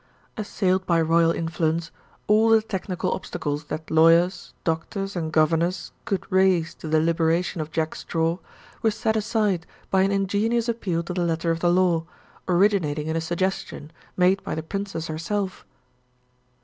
Assailed by Royal influence, all the technical obstacles that lawyers, doctors, and governors could raise to the liberation of Jack Straw were set aside by an ingenious appeal to the letter of the law, originating in a suggestion made by the Princess herself.